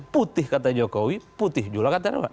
putih kata jokowi putih juga kata rela